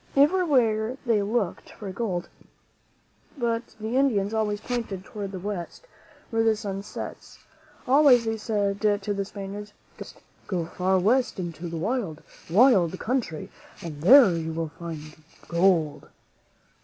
Everywhere they looked for gold, but the Indians always pointed toward the West, where the sun sets. Always they said to the Spaniards, " Go West; go far West into the wild, wild country and there you will find gold."